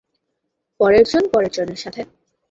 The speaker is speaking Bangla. পরের জন পরের জনের সাথে।